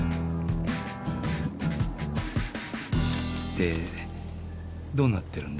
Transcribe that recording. でどうなってるんだ？